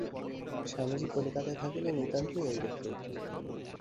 স্বামীজী কলিকাতায় থাকিলে নিত্যই এইরূপ হইত।